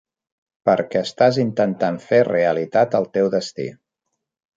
Perquè estàs intentant fer realitat el teu destí.